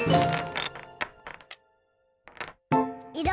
いろ